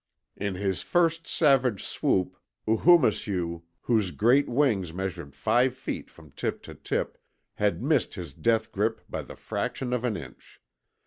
In his first savage swoop Oohoomisew, whose great wings measured five feet from tip to tip, had missed his death grip by the fraction of an inch.